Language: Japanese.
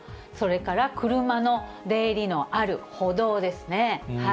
それから車の出入りのある歩道ですね。